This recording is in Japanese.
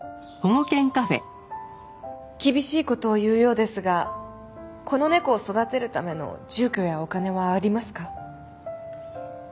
厳しい事を言うようですがこの猫を育てるための住居やお金はありますか？